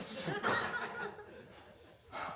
そっか。